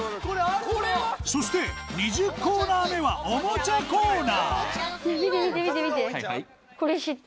そして２０コーナー目はおもちゃコーナーね見て見て見て。